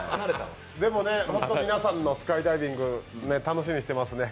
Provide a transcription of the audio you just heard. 本当皆さんのスカイダイビング楽しみにしてますね。